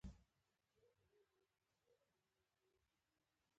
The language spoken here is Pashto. هغه وویل شیدې او کلچې راوړه ځکه مېلمه لرم